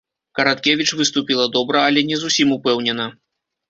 Караткевіч выступіла добра, але не зусім упэўнена.